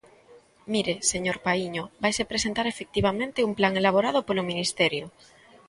Mire, señor Paíño, vaise presentar efectivamente un plan elaborado polo Ministerio.